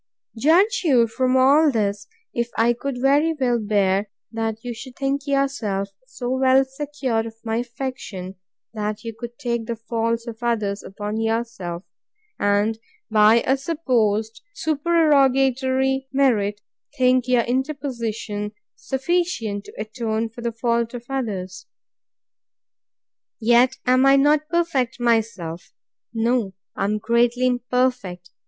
Judge you, from all this, if I could very well bear that you should think yourself so well secured of my affection, that you could take the faults of others upon yourself; and, by a supposed supererogatory merit, think your interposition sufficient to atone for the faults of others. Yet am I not perfect myself: No, I am greatly imperfect.